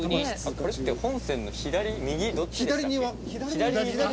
これって本線の左右どっちでしたっけ？